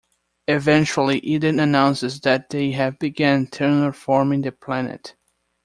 Eventually, Eden announces that they have begun terraforming the planet.